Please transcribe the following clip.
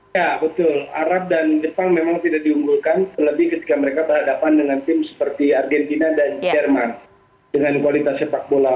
ya betul arab dan jepang memang tidak diunggulkan terlebih ketika mereka berhadapan dengan tim seperti argentina dan jerman dengan kualitas sepak bola